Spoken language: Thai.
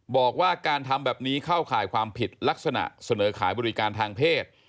บอกว่าการทำแบบนี้เข้าข่ายความผิดลักษณะเสนอขายบริการทางเพศ